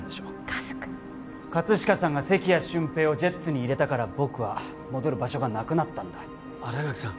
カズ君葛飾さんが関谷俊平をジェッツに入れたから僕は戻る場所がなくなったんだ新垣さん